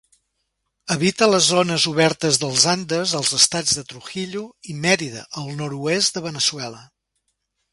Habita zones obertes dels Andes als Estats de Trujillo i Mérida, al nord-oest de Veneçuela.